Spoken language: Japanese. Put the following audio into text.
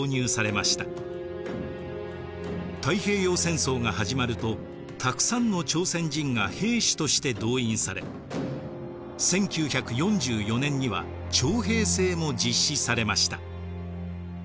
太平洋戦争が始まるとたくさんの朝鮮人が兵士として動員され１９４４年には徴兵制も実施されました。